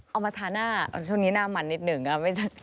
เอามาทาหน้าช่วงนี้หน้ามันนิดหนึ่ง